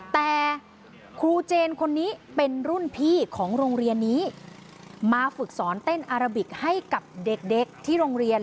แต่ครูเจนคนนี้เป็นรุ่นพี่ของโรงเรียนนี้มาฝึกสอนเต้นอาราบิกให้กับเด็กเด็กที่โรงเรียน